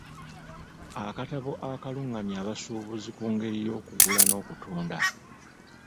Akatabo akalungamya abasuubuzi ku ngeri y'okugula n'okutunda.